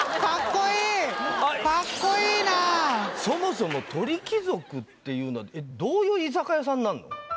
そもそも鳥貴族っていうのはどういう居酒屋さんになるの？